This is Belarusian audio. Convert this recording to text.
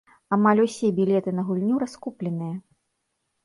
Амаль усе білеты на гульню раскупленыя.